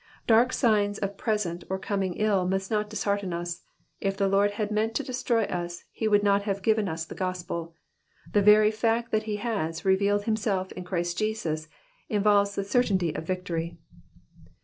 Dark signs of present or coming ill must not dishearten us ; if the Lord had meant to destroy us he would not have given us the gospel ; the very fact that he has revealed himself in Christ JesuB involves the certainty of victory.